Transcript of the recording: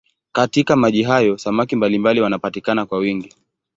Katika maji hayo samaki mbalimbali wanapatikana kwa wingi.